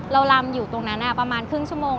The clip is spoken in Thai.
เรารำอยู่ตรงนั้นประมาณ๑๐นาที